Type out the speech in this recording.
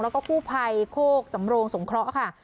แล้วก็กู้ภัยโคกสำโรงสงเคราะห์ค่ะ